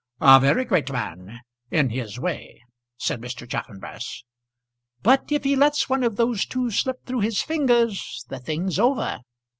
"A very great man, in his way," said Mr. Chaffanbrass. "But if he lets one of those two slip through his fingers the thing's over."